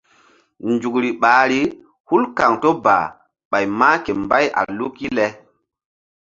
Nzukri ɓahri hul kaŋto ba ɓay mah ke mbay a luk le.